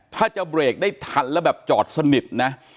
ถ้าจะเบรกได้ทันแล้วแบบจอดสนิทนะ